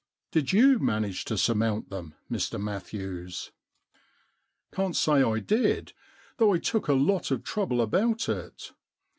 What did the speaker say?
Did you manage to surmount them, Mr Matthews ?'* Can't say I did, though I took a lot of trouble about it.